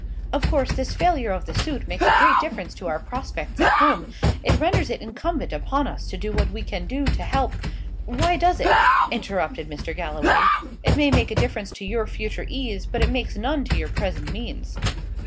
"Of course, this failure of the suit makes a great difference to our prospects at home; it renders it incumbent upon us to do what we can to help " "Why does it?" interrupted Mr. Galloway. "It may make a difference to your future ease, but it makes none to your present means."